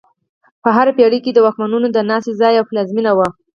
په هره پېړۍ کې د واکمنانو د ناستې ځای او پلازمینه وه.